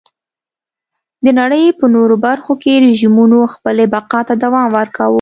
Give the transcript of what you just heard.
د نړۍ په نورو برخو کې رژیمونو خپلې بقا ته دوام ورکاوه.